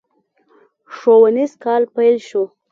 ښوونيز کال پيل شو.